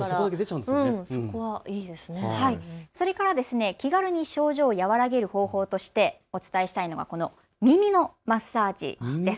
それから気軽に症状を和らげる方法としてお伝えしたい点が耳のマッサージです。